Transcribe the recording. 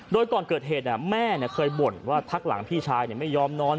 โดยก่อนเกิดเหตุแม่เคยบ่นว่าพักหลังพี่ชายไม่ยอมนอน